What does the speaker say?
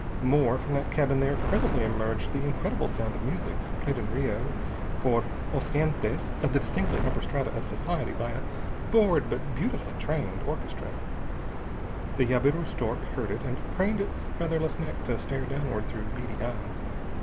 More, from that cabin there presently emerged the incredible sound of music, played in Rio for os gentes of the distinctly upper strata of society by a bored but beautifully trained orchestra. The jabiru stork heard it, and craned its featherless neck to stare downward through beady eyes.